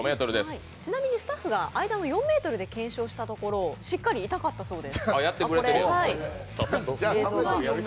ちなみにスタッフが間の４ｍで検証したところ、しっかり痛かったそうです。